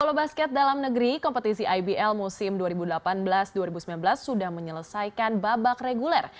kalau basket dalam negeri kompetisi ibl musim dua ribu delapan belas dua ribu sembilan belas sudah menyelesaikan babak reguler